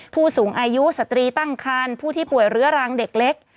ผู้สูงอายุสตรีตั้งคันผู้ที่ป่วยเรื้อรังเด็กเล็ก